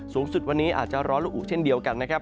สูงสุดวันนี้อาจจะร้อนและอุเช่นเดียวกันนะครับ